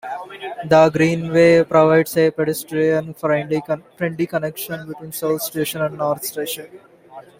The Greenway provides a pedestrian-friendly connection between South Station and North Station.